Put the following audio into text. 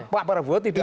pak prabowo tidak